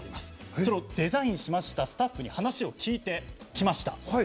それをデザインしましたスタッフに話を聞いてきました。